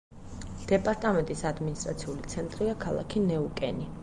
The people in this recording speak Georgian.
დეპარტამენტის ადმინისტრაციული ცენტრია ქალაქი ნეუკენი.